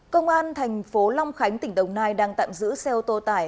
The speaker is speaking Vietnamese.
công an thành phố long khánh tỉnh đồng nai đang tạm giữ xe ô tô tải